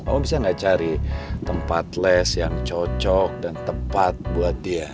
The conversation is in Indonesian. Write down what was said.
om bisa gak cari tempat less yang cocok dan tepat buat dia